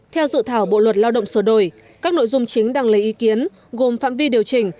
theo dự thảo bộ luật lao động sửa đổi các nội dung chính đang lấy ý kiến gồm phạm vi điều chỉnh